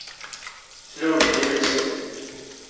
Tnawel-d imensi.